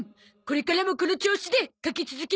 これからもこの調子で描き続けなさい！